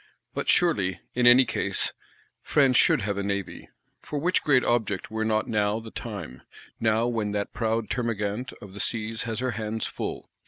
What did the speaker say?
But surely, in any case, France should have a Navy. For which great object were not now the time: now when that proud Termagant of the Seas has her hands full?